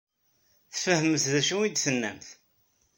Tfehmemt d acu ay d-tennamt?